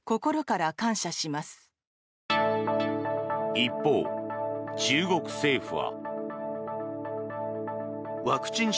一方、中国政府は。